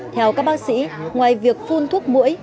theo các bác sĩ ngoài việc phun thuốc mũi